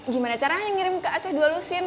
gimana caranya ngirim ke aceh dua lusin